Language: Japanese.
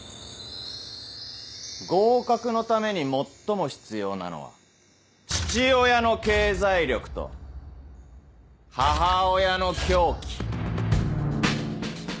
合格のために最も必要なのは父親の経済力と母親の狂気。